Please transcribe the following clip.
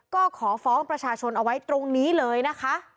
ก็ขอฟ้องประชาชนเอาไว้ตรงนี้เลยนะคะ